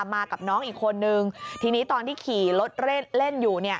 มากับน้องอีกคนนึงทีนี้ตอนที่ขี่รถเล่นอยู่